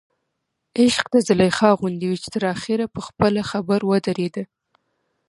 عشق د زلیخا غوندې وي چې تر اخره په خپله خبر ودرېده.